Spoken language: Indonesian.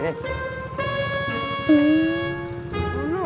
saya tidak punya cewek